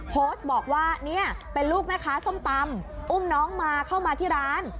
โพสต์บอกว่าเนี่ยเป็นลูกแม่ค้าส้มตำอุ้มน้องมาเข้ามาที่ร้าน